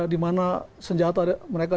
dimana senjata mereka